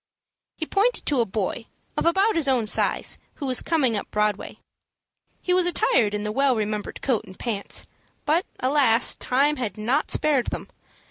He pointed to a boy, of about his own size, who was coming up Broadway. He was attired in the well remembered coat and pants; but, alas! time had not spared them.